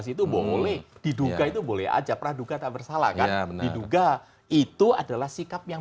situ boleh diduga itu boleh aja pra duka tak bersalah karena benar juga itu adalah sikap yang